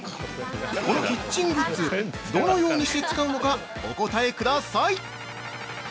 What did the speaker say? このキッチングッズ、どのようにして使うのかお答えください！